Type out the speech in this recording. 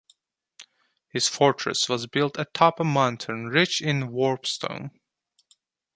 His fortress was built atop a mountain rich in warpstone.